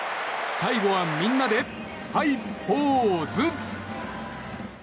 最後はみんなで、はい、ポーズ。